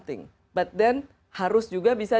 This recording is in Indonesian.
tapi kemudian harus juga bisa